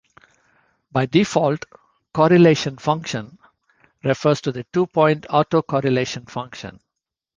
By default, "correlation function" refers to the two-point autocorrelation function.